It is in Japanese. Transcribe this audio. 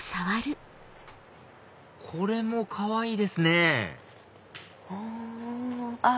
これもかわいいですねあっ